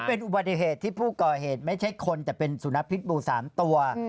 เป็นอุบัติเหตุที่ผู้ก่อเหตุรุมไหยมีสองตัว